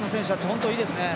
本当いいですね。